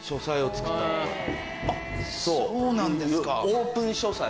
そうなんですか。